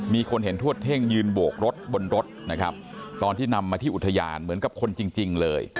มีคนเห็นทวดเท่งยืนโบกรถบนรถนะครับตอนที่นำมาที่อุทยานเหมือนกับคนจริงเลย